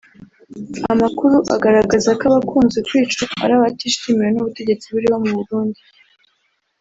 Amakuru agaragaza ko abakunze kwicwa ari abatishimiwe n’ubutegetsi buriho mu Burundi